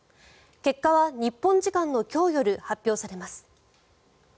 結果は日本時間の今日夜発表されます。